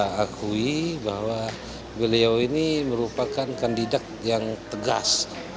kita akui bahwa beliau ini merupakan kandidat yang tegas